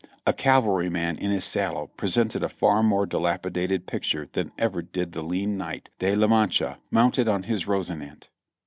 A cavalryman in his saddle presented a far more dilapidated picture than ever did the lean knight, De la Mancha, mounted on his Rosinante.